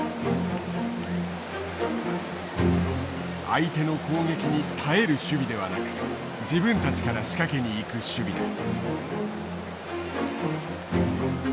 相手の攻撃に耐える守備ではなく自分たちから仕掛けに行く守備だ。